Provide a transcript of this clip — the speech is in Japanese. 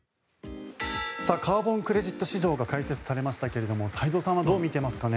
カーボン・クレジット市場が開設されましたが太蔵さんはどう見ていますか？